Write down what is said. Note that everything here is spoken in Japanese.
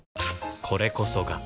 これこそが